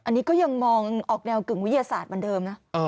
อันนี้ก็ยังมองออกแนวกึ่งวิทยาศาสตร์เหมือนเดิมนะ